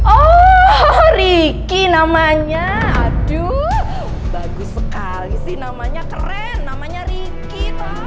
oh riki namanya aduh bagus sekali sih namanya keren namanya riki tuh